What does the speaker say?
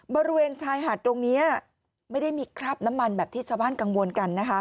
บริเวณชายหาดตรงนี้ไม่ได้มีคราบน้ำมันแบบที่ชาวบ้านกังวลกันนะคะ